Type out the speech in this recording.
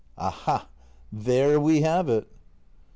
Aha! there we have it!